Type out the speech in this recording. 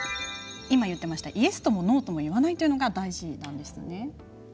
今、言っていましたイエスともノーとも言わないのが大事ですね。